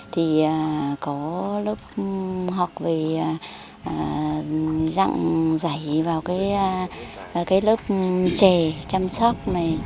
thì có lớp học về dặn dạy vào cái lớp trè chăm sóc này